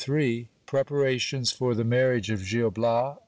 — Preparations for the marriage of Gil Bias.